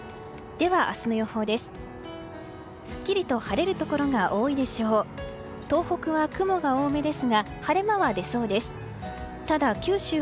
では、明日の予報です。